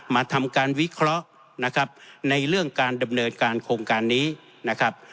มาทำการวิเคราะห์นะครับในเรื่องการดำเนินการโครงการนี้นะครับ